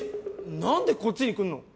何でこっちに来んの？